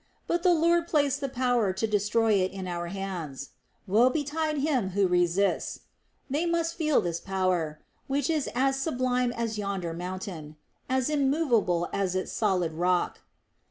But the Lord placed the power to destroy it in our hands. Woe betide him who resists. They must feel this power, which is as sublime as yonder mountain, as immovable as its solid rock."